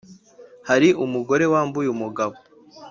hari umugore wambuye umugabo